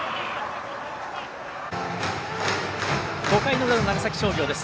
５回の裏の長崎商業です。